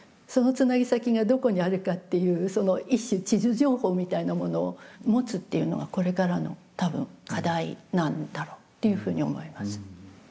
そのつなぎ先がどこにあるかっていうその一種地図情報みたいなものを持つっていうのがこれからの多分課題なんだろうっていうふうに思います。